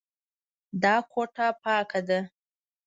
دا کوټه پاکه ده.